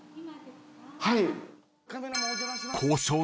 はい。